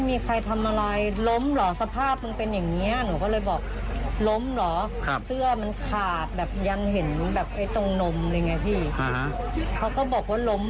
มีหัวปูดปากแตกแล้วก็ดั้งบวมหน้าเขาก็บวม